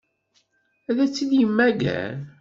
Ad tt-id-yemmager?